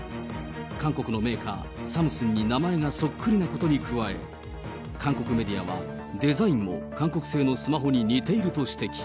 韓国のメーカー、サムスンに名前がそっくりなことに加え、韓国メディアはデザインも韓国製のスマホに似ていると指摘。